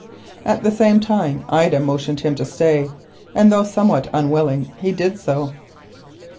At the same time Ida motioned him to stay, and though somewhat unwillingly he did so.